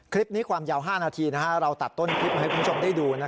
คลิปนี้ความยาว๕นาทีเราตัดต้นคลิปมาให้คุณผู้ชมได้ดู